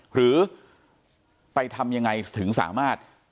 หรือไปทำยังไงถึงสามารถ